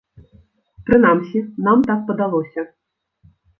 Прынамсі, нам так падалося.